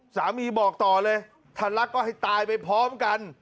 สามีบอกต่อเลยถ้ารักก็ให้ตายไปพร้อมกัน